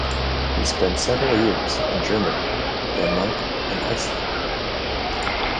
He spent several years in Germany, Denmark and Iceland.